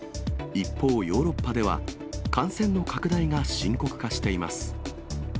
一方、ヨーロッパでは、感染の拡大が深刻化しています。